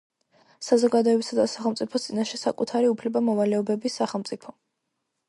საზოგადოებისა და სახელმწიფოს წინაშე საკუთარი უფლება-მოვალეობების, სახელმწიფო